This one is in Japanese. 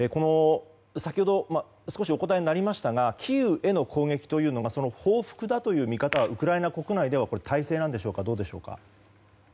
先ほど少しお答えになりましたがキーウへの攻撃というのが報復だという見方はウクライナ国内では大勢なんでしょうかどうでしょうか。